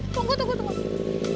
tunggu tunggu tunggu